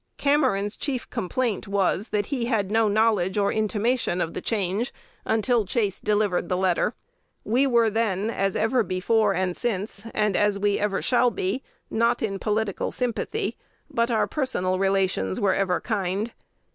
"Cameron's chief complaint was, that he had no knowledge or intimation of the change until Chase delivered the letter. We were then, as ever before and since, and as we ever shall be, not in political sympathy, but our personal relations were ever kind.